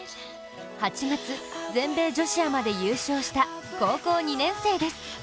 ８月、全米女子アマで優勝した高校２年生です。